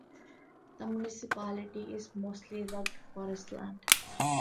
The municipality is mostly rugged forestland.